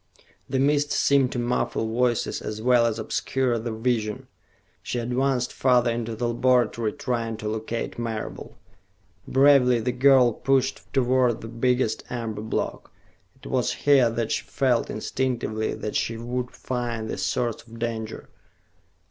The mist seemed to muffle voices as well as obscure the vision. She advanced farther into the laboratory, trying to locate Marable. Bravely the girl pushed toward the biggest amber block. It was here that she felt instinctively that she would find the source of danger.